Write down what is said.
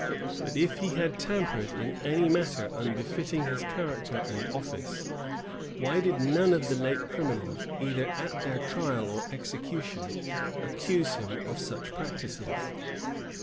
But if he had tampered in any manner unbefitting his character and office, why did none of the late criminals, either at their trial or execution accuse him of such practices?